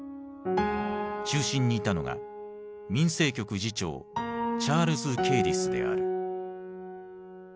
中心にいたのが民生局次長チャールズ・ケーディスである。